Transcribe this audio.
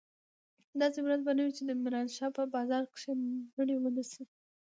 داسې ورځ به نه وي چې د ميرانشاه په بازار کښې مړي ونه سي.